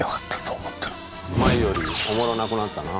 前よりおもろなくなったな。